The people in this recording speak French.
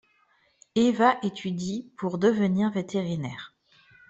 Eva étudie pour devenir vétérinaire.